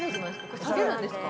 これさげるんですか？